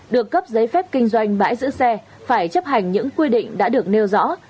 được cấp giấy phép kinh doanh bãi giữ xe phải chấp hành những quy định đã được nêu rõ